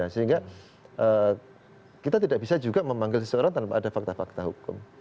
sehingga kita tidak bisa juga memanggil seseorang tanpa ada fakta fakta hukum